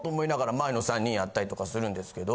やったりとかするんですけど。